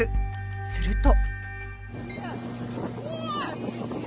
すると